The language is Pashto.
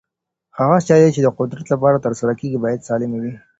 هغه سيالۍ چي د قدرت لپاره ترسره کېږي بايد سالمي وي.